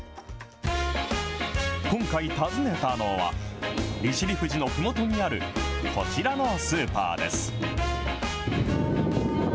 今回訪ねたのは、利尻富士のふもとにあるこちらのスーパーです。